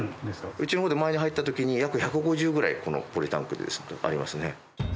うちのほうで前に入った時に約１５０ぐらいこのポリタンクでありますね。